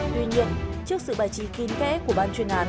tuy nhiên trước sự bài trí kín kẽ của ban chuyên án